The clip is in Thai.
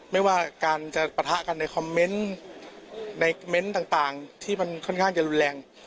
ไม่ว่าการจะปะทะกันในคอมเมนต์ในเม้นต์ต่างที่มันค่อนข้างจะรุนแรง